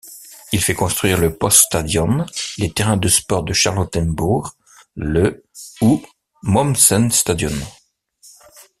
Il fait construire le Poststadion, les terrains de sport de Charlottenburg, le ou Mommsenstadion.